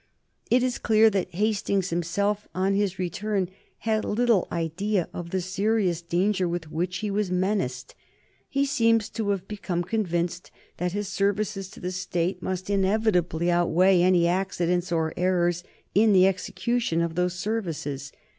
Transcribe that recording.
It is clear that Hastings himself on his return had little idea of the serious danger with which he was menaced. He seems to have become convinced that his services to the State must inevitably outweigh any accidents or errors in the execution of those services.